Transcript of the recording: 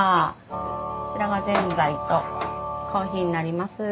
こちらがぜんざいとコーヒーになります。